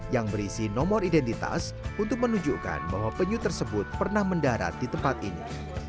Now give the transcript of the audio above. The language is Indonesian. yang berisi nomor identitas untuk menunjukkan bahwa penyu tersebut pernah mendarat di tempat ini